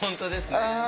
ああ。